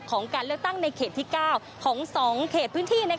การเลือกตั้งในเขตที่๙ของ๒เขตพื้นที่